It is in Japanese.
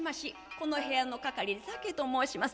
この部屋の係でたけと申します。